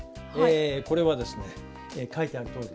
これはですね書いてあるとおりです。